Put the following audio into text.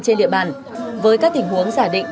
trên địa bàn với các tình huống giải định